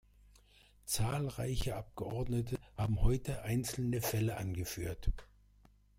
Zahlreiche Abgeordnete haben heute einzelne Fälle angeführt.